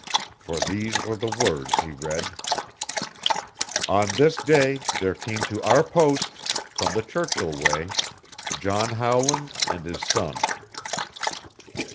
For these were the words he read: "On this day there came to our post, from the Churchill way, John Howland and his son."